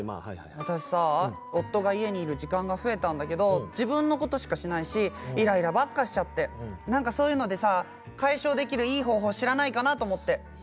私、夫が家にいる時間が増えたんだけど自分のことしかしないしイライラばっかりしちゃってそういうのって解消できるいい方法、知らないかなと思って。